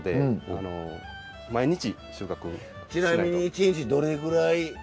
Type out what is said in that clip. ちなみに１日どれぐらい？